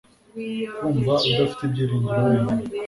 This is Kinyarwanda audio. kumva udafite ibyiringiro wenyine